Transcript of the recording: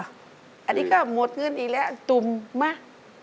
อันนี้ก็หมดเงินอีกแล้วตุ่มมา